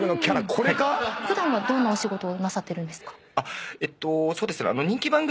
これか⁉普段はどんなお仕事をなさってるんですか？